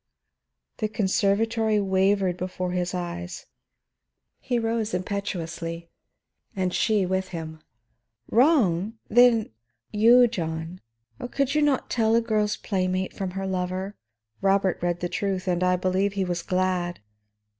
The conservatory wavered before his gaze; he rose impetuously and she with him. "Wrong? Then " "You, John. Oh, could you not tell a girl's playmate from her lover? Robert read the truth; and I believe he was glad.